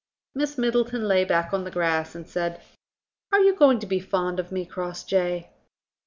Miss Middleton lay back on the grass and said: "Are you going to be fond of me, Crossjay?"